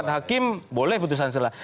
empat hakim boleh putusan selah